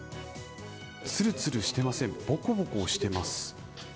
つるつるしてません、ぼこぼこしています。